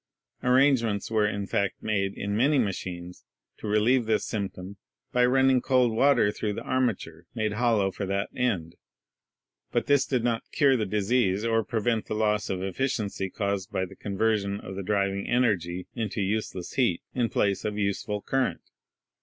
Arrangements were in fact made in many machines to relieve this symptom by running cold water through the armature, made hollow for that end; but this did not cure the disease or prevent the loss of efficiency caused by the conversion of the driv ing energy into useless heat in place of useful current.